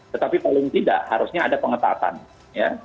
tetapi paling tidak harusnya ada pengetatan ya